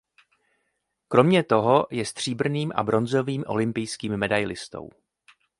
Kromě toho je stříbrným a bronzovým olympijským medailistou.